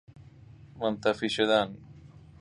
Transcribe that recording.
منطفی شدن